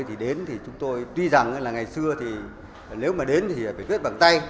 thì đến thì chúng tôi tuy rằng là ngày xưa thì nếu mà đến thì phải viết bằng tay